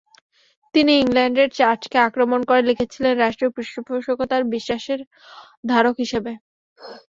তিনি ইংল্যান্ডের চার্চকে আক্রমণ করে লিখেছিলেন রাষ্ট্রীয় পৃষ্ঠপোষকতায় বিশ্বাসের ধারক হিসাবে।